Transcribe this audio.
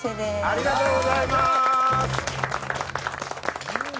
ありがとうございます！